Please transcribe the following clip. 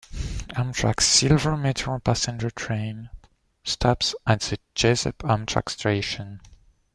Amtrak's "Silver Meteor" passenger train stops at the Jesup Amtrak Station.